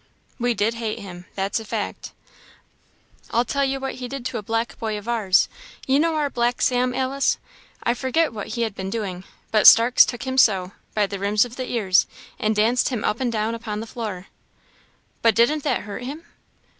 We did hate him, that's a fact. I'll tell you what he did to a black boy of ours you know our black Sam, Alice? I forget what he had been doing; but Starks took him so by the rims of the ears and danced him up and down upon the floor." "But didn't that hurt him?"